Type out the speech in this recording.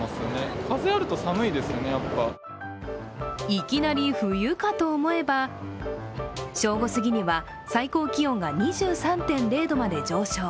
いきなり冬かと思えば正午すぎには最高気温が２３．０度まで上昇。